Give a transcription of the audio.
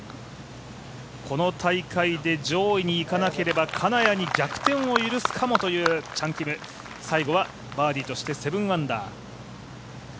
この大会で上位に行かなければ金谷に逆転を許すかもというチャン・キム最後はバーディーとして７アンダー。